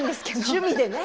趣味でね。